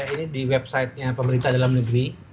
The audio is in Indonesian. ini di website nya pemerintah dalam negeri